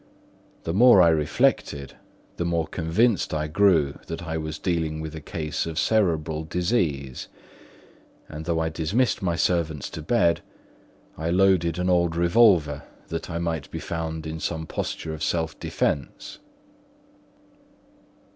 The more I reflected the more convinced I grew that I was dealing with a case of cerebral disease; and though I dismissed my servants to bed, I loaded an old revolver, that I might be found in some posture of self defence.